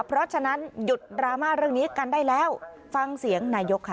เพราะฉะนั้นหยุดดราม่าเรื่องนี้กันได้แล้วฟังเสียงนายกค่ะ